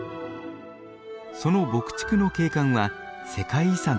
その牧畜の景観は世界遺産となっています。